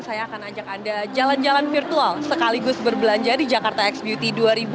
saya akan ajak anda jalan jalan virtual sekaligus berbelanja di jakarta x beauty dua ribu dua puluh